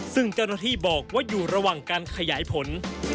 ซึ่งเจ้าหน้าที่บอกว่าอยู่ระหว่างการขยายผล